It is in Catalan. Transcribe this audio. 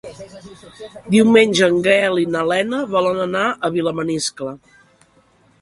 Diumenge en Gaël i na Lena volen anar a Vilamaniscle.